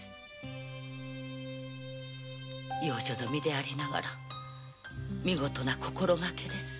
養女の身でありながら見事な心がけです。